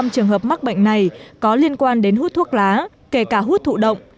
năm trường hợp mắc bệnh này có liên quan đến hút thuốc lá kể cả hút thụ động